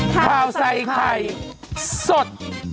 ข่าวใส่ไข่สด